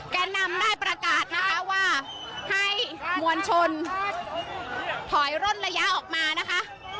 แก่นำได้ประกาศนะคะว่าให้มวลชนถอยร่นระยะออกมานะคะ